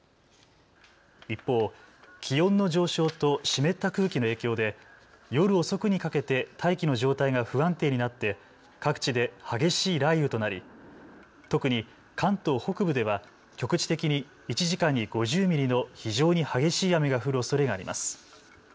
一方、気温の上昇と湿った空気の影響で夜遅くにかけて大気の状態が不安定になって各地で激しい雷雨となり特に関東北部では局地的に１時間に５０ミリの非常に激しい雨が降るおそれがあります。